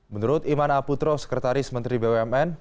menurut iman aputro sekretaris menteri bumn